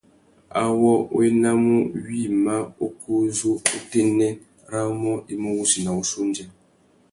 Awô wa enamú wïmá ukú uzu utênê râ umô i mú wussi na wuchiô undjê.